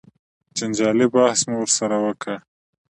جنجالي بحث مو ورسره وکړ.